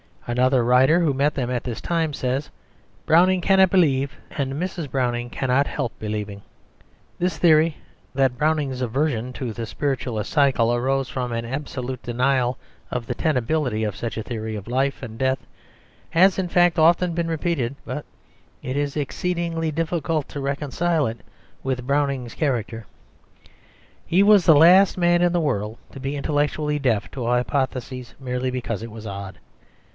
Another writer who met them at this time says, "Browning cannot believe, and Mrs. Browning cannot help believing." This theory, that Browning's aversion to the spiritualist circle arose from an absolute denial of the tenability of such a theory of life and death, has in fact often been repeated. But it is exceedingly difficult to reconcile it with Browning's character. He was the last man in the world to be intellectually deaf to a hypothesis merely because it was odd.